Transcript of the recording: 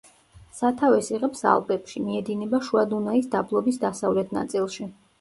სათავეს იღებს ალპებში, მიედინება შუა დუნაის დაბლობის დასავლეთ ნაწილში.